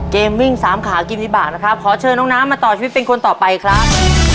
วิ่งสามขากินวิบากนะครับขอเชิญน้องน้ำมาต่อชีวิตเป็นคนต่อไปครับ